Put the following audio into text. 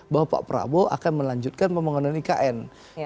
bahwa pak prabowo akan melanjutkan pembangunan ikn